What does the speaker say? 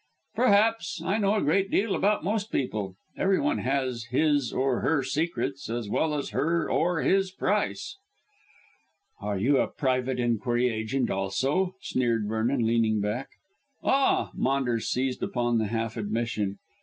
"Perhaps. I know a great deal about most people. Every one has his or her secrets as well as her or his price." "Are you a private enquiry agent also?" sneered Vernon, leaning back. "Ah!" Maunders seized upon the half admission.